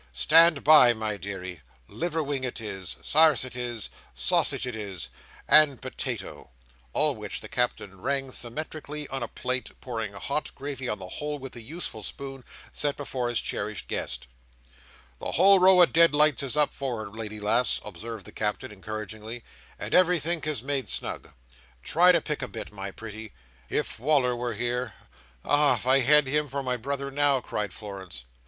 Stand by, my deary! Liver wing it is. Sarse it is. Sassage it is. And potato!" all which the Captain ranged symmetrically on a plate, and pouring hot gravy on the whole with the useful spoon, set before his cherished guest. "The whole row o' dead lights is up, for'ard, lady lass," observed the Captain, encouragingly, "and everythink is made snug. Try and pick a bit, my pretty. If Wal"r was here—" "Ah! If I had him for my brother now!" cried Florence.